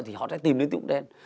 thì họ sẽ tìm đến tín dụng đen